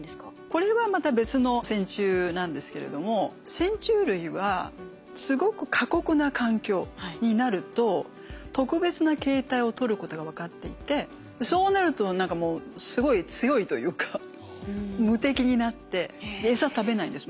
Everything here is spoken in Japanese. これはまた別の線虫なんですけれども線虫類はすごく過酷な環境になると特別な形態を取ることが分かっていてそうなると何かもうすごい強いというか無敵になって餌食べないんです。